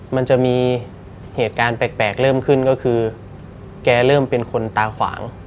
มันจะมีเหตุการณ์แปลกเริ่มขึ้นก็คือแกเริ่มเป็นคนตาขวาง